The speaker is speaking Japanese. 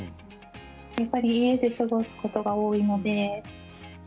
やっぱり家で過ごすことが多いので。